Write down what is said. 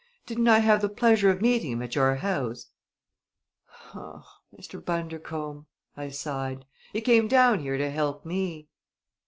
Didn't I have the pleasure of meeting him at your house?" "Mr. Bundercombe!" I sighed. "He came down here to help me!"